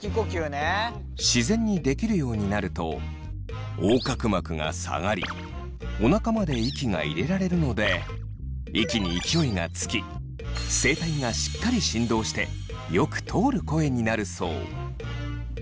自然にできるようになると横隔膜が下がりおなかまで息が入れられるので息に勢いがつき声帯がしっかり振動してよく通る声になるそう。